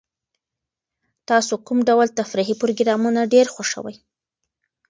تاسو کوم ډول تفریحي پروګرامونه ډېر خوښوئ؟